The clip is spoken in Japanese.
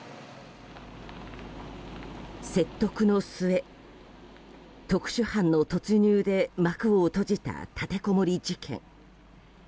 説得の末、特殊班の突入で幕を閉じた立てこもり事件。